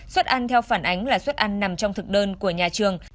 xuất ăn theo phản ánh là xuất ăn nằm trong thực đơn của nhà trường